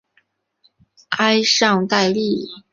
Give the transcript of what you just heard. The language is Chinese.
埃尚代利。